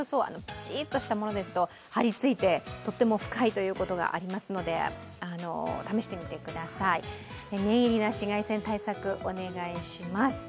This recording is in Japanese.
ぴったりしたものですと張り付いて、とっても不快ということがありますので試してみてください、念入りな紫外線対策、お願いします。